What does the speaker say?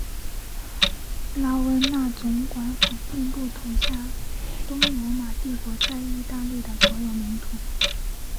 拉温纳总管府并不统辖东罗马帝国在意大利的所有领土。